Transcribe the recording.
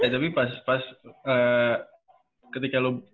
tapi pas ketika lu